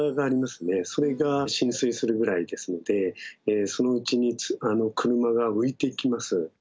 それが浸水するぐらいですのでそのうちに車が浮いてきます。